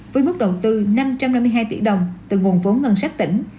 với mức đầu tư năm trăm năm mươi hai tỷ đồng từ nguồn vốn ngân sách tỉnh